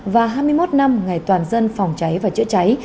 và hai mươi một năm ngày toàn dân phòng cháy và chữa cháy